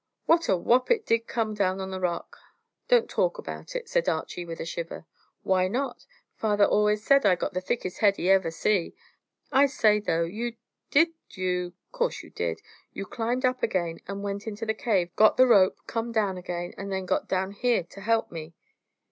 "What a whop it did come down on the rock!" "Don't talk about it," said Archy, with a shiver. "Why not? Father allus said I'd got the thickest head he ever see. I say, though, you did you course you did. You climbed up again, and went into the cave, got the rope come down again, and then got down here to help me?"